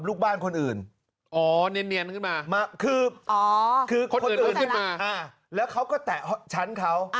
แล้วเขาก็แตะชั้นเขา